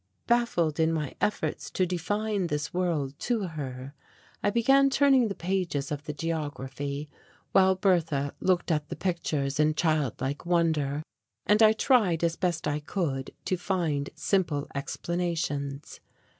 Baffled in my efforts to define this world to her, I began turning the pages of the geography, while Bertha looked at the pictures in child like wonder, and I tried as best I could to find simple explanations.